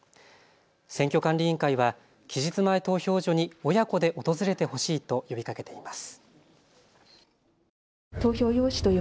選挙管理委員会は期日前投票所に親子で訪れてほしいと呼びかけています。